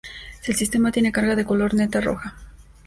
El sistema tiene carga de color neta roja.